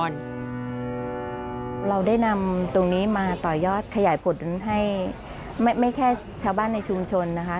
เราได้นำตรงนี้มาต่อยอดขยายผลให้ไม่แค่ชาวบ้านในชุมชนนะคะ